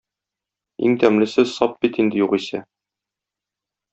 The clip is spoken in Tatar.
Иң тәмлесе сап бит инде югыйсә.